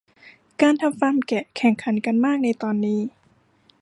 การทำฟาร์มแกะแข่งขันกันมากในตอนนี้